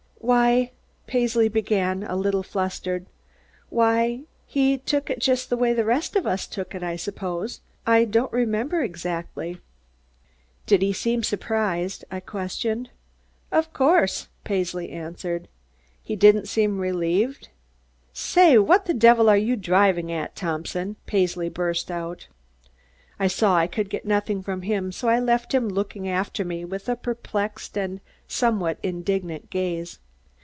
"Why " Paisley began, a little flustered, "why he took it just the way the rest of us took it, I suppose. I don't remember exactly." "Did he seem surprised?" I questioned. "Of course," Paisley answered, "He didn't seem relieved?" "Say, what the devil are you driving at, Thompson?" Paisley burst out. I saw I could get nothing from him so I left him looking after me with a perplexed and somewhat indignant gaze.